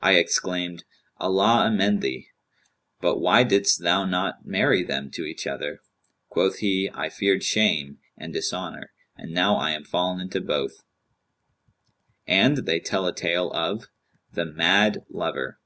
I exclaimed, 'Allah amend thee! but why didst thou not marry them to each other?' Quoth he, 'I feared shame[FN#197] and dishonour; and now I am fallen into both.' " And they tell a tale of THE MAD LOVER.